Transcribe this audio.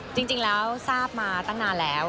จริงแล้วทราบมาตั้งนานแล้ว